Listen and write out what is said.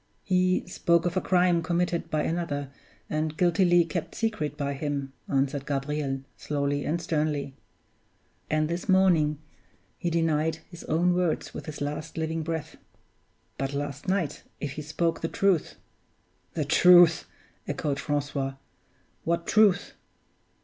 "He spoke of a crime committed by another, and guiltily kept secret by him," answered Gabriel, slowly and sternly. "And this morning he denied his own words with his last living breath. But last night, if he spoke the truth " "The truth!" echoed Francois. "What truth?"